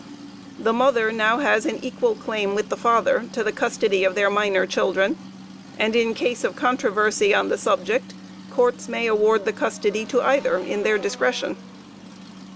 The mother now has an equal claim with the father to the custody of their minor children, and in case of controversy on the subject, courts may award the custody to either in their discretion.